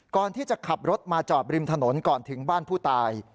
ก่อนที่จะขับรถมาจอดริมถนนก่อนถึงบ้านผู้ตาย